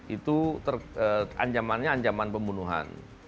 itu anjamannya anjaman pembunuhan